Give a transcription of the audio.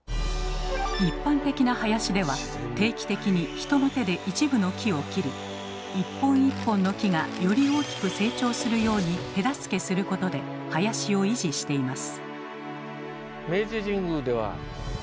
一般的な林では定期的に人の手で一部の木を切り一本一本の木がより大きく成長するように手助けすることで林を維持しています。